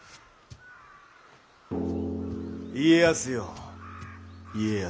家康よ家康。